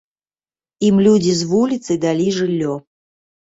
Ім людзі з вуліцы далі жыллё.